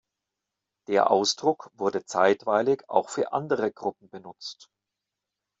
Der Ausdruck wurde zeitweilig auch für andere Gruppen benutzt.